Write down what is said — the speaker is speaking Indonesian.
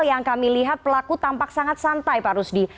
yang kami lihat pelaku tampak sangat santai pak rusdi